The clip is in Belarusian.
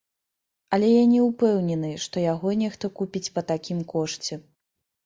Але я не ўпэўнены, што яго нехта купіць па такім кошце.